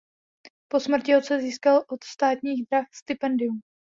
Po smrti otce získal od Státních drah stipendium.